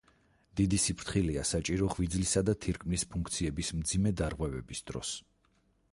დიდი სიფრთხილეა საჭირო ღვიძლისა და თირკმლის ფუნქციების მძიმე დარღვევების დროს.